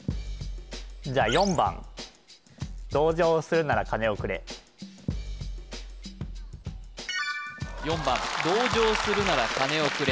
じゃあ４番４番「同情するならカネをくれ」